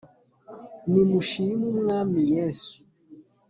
Nimushim' Umwami Yesu :